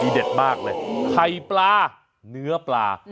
เด็ดมากเลยไข่ปลาเนื้อปลา